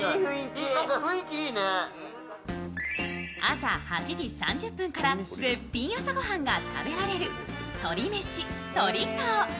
朝８時３０分から絶品朝ご飯が食べられる鳥めし鳥藤。